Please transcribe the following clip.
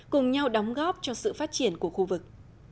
cùng nhau đóng góp cho sự phát triển của khu vực